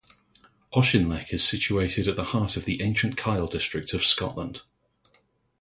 Auchinleck is situated at the heart of the ancient Kyle district of Scotland.